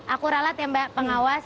aku ralat ya mbak pengawas